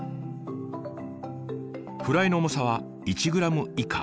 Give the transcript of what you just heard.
フライの重さは１ｇ以下。